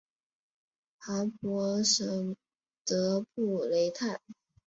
鲍博什德布雷泰。